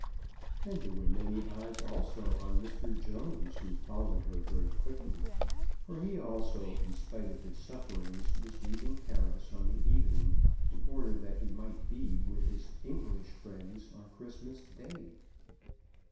And there were many eyes also on Mr. Jones, who followed her very quickly, for he also, in spite of his sufferings, was leaving Paris on the even ing in order that he might be with his English friends on Christmas day.